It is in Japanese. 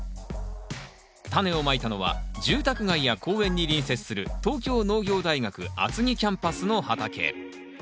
タネをまいたのは住宅街や公園に隣接する東京農業大学厚木キャンパスの畑。